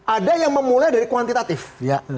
ada yang memulai dari kuantitatif ya